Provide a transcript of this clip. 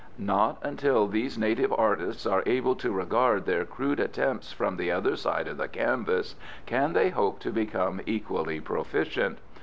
Not until these native artists are able to regard their crude attempts from the other side of the canvas can they hope to become equally proficient.